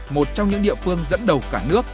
một trong những địa phương dẫn đầu cả nước